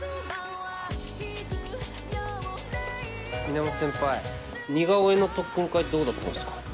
・源先輩似顔絵の特訓会どうだったんすか？